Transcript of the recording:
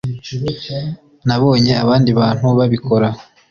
nabonye abandi bantu babikora